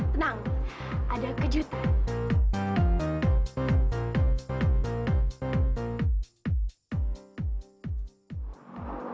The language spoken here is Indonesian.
tenang ada kejutan